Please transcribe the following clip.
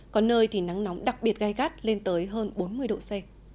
có nơi thì nắng nóng đặc biệt gai gắt lên tới hơn bốn mươi độ c